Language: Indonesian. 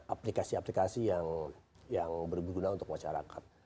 aplikasi aplikasi yang berguna untuk masyarakat